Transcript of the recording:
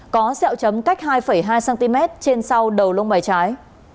có xeo chấm cách hai hai cm trên sau đầu lông bài trái